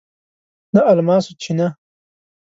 د الماسو چینه